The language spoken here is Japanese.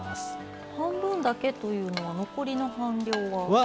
半分だけというのは残りの半量は。